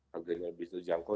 harganya bisa jangkau